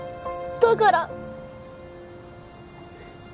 だから